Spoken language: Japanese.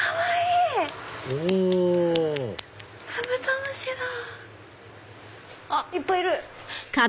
いっぱいいる。